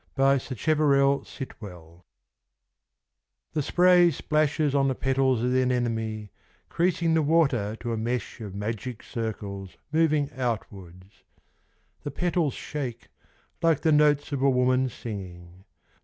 TI I E spray splashes on the petals of the anemone Creasing the water to a mesh of magic circles moving outwards : The petals shake like the notes ( >i a woman singing.